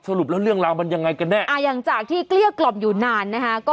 สรุปแล้วเรื่องราวมันยังไงกันแน่อ่าอย่างจากที่เกลี้ยกล่อมอยู่นานนะคะ